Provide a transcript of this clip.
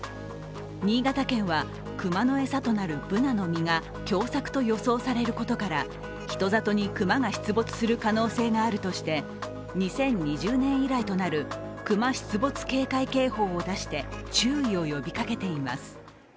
新潟県は熊の餌となるブナの実が凶作と予想されることから人里に熊が出没する可能性があるとして２０２０年以来となるクマ出没警戒警報を出して注意を呼びかけています。